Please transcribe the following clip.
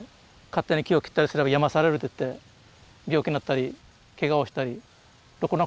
勝手に木を切ったりすればやまされると言って病気になったりけがをしたりろくなことがないわけですよ。